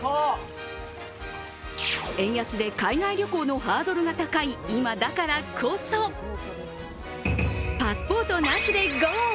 円安で海外旅行のハードルが高い今だからこそパスポートなしでゴー！